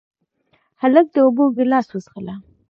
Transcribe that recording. هلک د اوبو ګیلاس وڅښله.